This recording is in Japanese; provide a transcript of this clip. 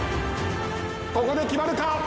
ここで決まるか。